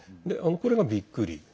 これはびっくり。